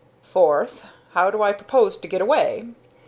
Fourth how do I propose to get away?